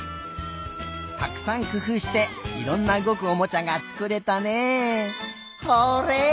たくさんくふうしていろんなうごくおもちゃがつくれたねえ。